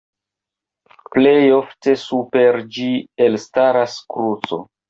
Plej ofte super ĝi elstaras kruco.